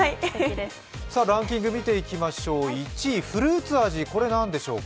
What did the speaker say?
ランキングみていきましょう、１位フルーツ味、こちら何でしょうか。